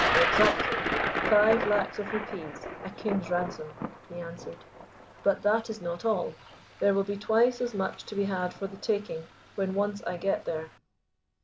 "Exactly! Five lacs of rupees, a king's ransom," he answered. "But that is not all. There will be twice as much to be had for the taking when once I get there.